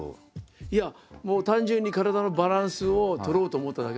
いやもう単純に体のバランスを取ろうと思っただけなんですよ。